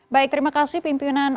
baik terima kasih pimpinan